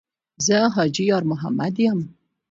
ـ زه حاجي یارمحمد یم.